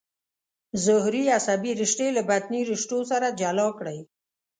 ظهري عصبي رشتې له بطني رشتو سره جلا کړئ.